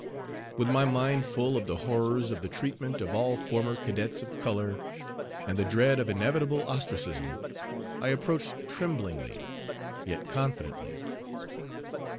With my mind full of the horrors of the treatment of all former cadets of color, and the dread of inevitable ostracism, I approached tremblingly yet confidently.